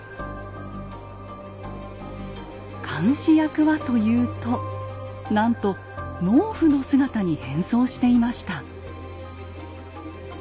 監視役はというとなんと農夫の姿に変装していました。